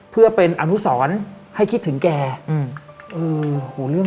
เพื่อเป็นอนุสรให้คิดถึงแกอืม